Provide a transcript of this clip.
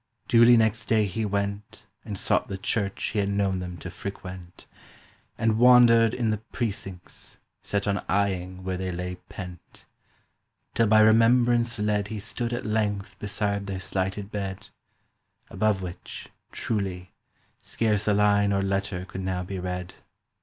Duly next day he went And sought the church he had known them to frequent, And wandered in the precincts, set on eyeing Where they lay pent, Till by remembrance led He stood at length beside their slighted bed, Above which, truly, scarce a line or letter Could now be read.